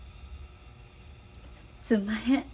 すんまへん。